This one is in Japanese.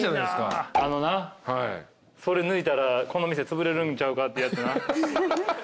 あのなそれ抜いたらこの店つぶれるんちゃうかってやつな。